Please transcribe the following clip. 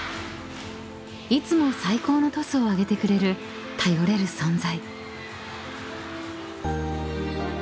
［いつも最高のトスをあげてくれる頼れる存在］